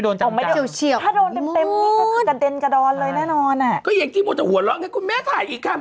ตามเองจี้เนี่ย